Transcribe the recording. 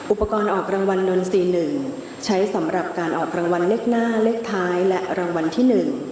อุปกรณ์ออกรางวัลนนทรีย์๑ใช้สำหรับการออกรางวัลเลขหน้าเลขท้ายและรางวัลที่๑